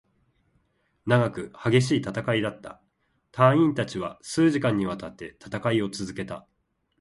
長く、激しい戦いだった。隊員達は数時間に渡って戦いを続けた。